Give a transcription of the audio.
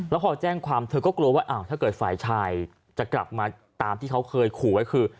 แล้วพอแจ้งความเธอก็กลัวว่าถ้าเกิดฝ่ายชายจะกลับมาตามที่เขาเคยขู่ไว้คือ